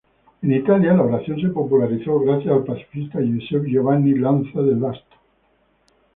En Italia, la oración se popularizó gracias al pacifista Giuseppe Giovanni Lanza del Vasto.